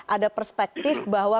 ada perspektif bahwa